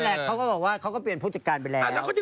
เขาก็บอกว่าเขาก็เปลี่ยนผู้จัดการไปแล้ว